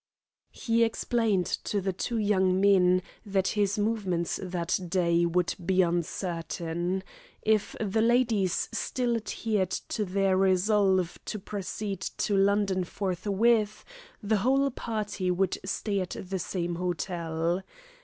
He explained to the two young men that his movements that day would be uncertain. If the ladies still adhered to their resolve to proceed to London forthwith, the whole party would stay at the same hotel.